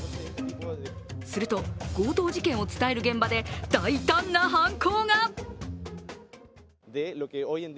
すると、強盗事件を伝える現場で大胆な犯行が。